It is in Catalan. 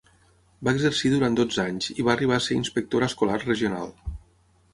Va exercir durant dotze anys i va arribar a ser inspectora escolar regional.